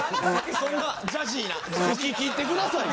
そんなジャジーな・吹ききってくださいよ。